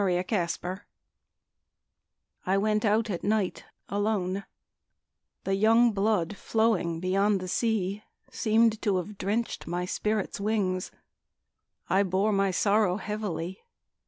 Winter Stars I went out at night alone; The young blood flowing beyond the sea Seemed to have drenched my spirit's wings I bore my sorrow heavily.